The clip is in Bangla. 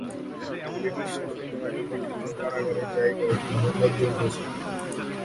ব্রিটিশ শাসনের আগে বর্তমান কারাগারের জায়গায় একটি মুঘল দুর্গ ছিল।